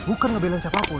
bukan ngebelain siapapun